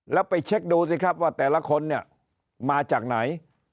แล้วไปเช็คดูสิครับว่าแต่ละคนเนี่ยมาจากไหน